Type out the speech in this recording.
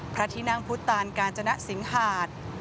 พระที่นั่งพุทธตานกาญจนสิงหาด